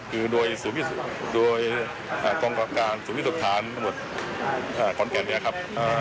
คือโดยกรองกราบการสูงวิทธิศุกรฐานทั้งหมดของแก่นเนี้ยครับ